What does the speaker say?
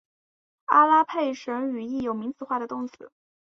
阿拉佩什语亦有名词化的动词。